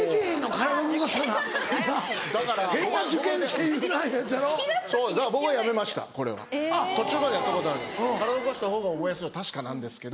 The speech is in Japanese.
体動かしたほうが覚えやすいのは確かなんですけど。